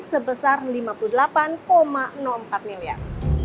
sebesar lima puluh delapan enam puluh empat miliar